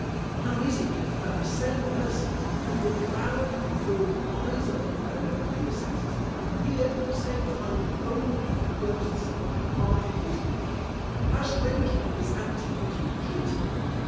How is it that the same persons who would proudly be thought wiser than their predecessors, appear at the same time only as the ghosts of departed wisdom? How strangely is antiquity treated!